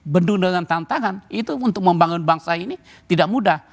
bendung dengan tantangan itu untuk membangun bangsa ini tidak mudah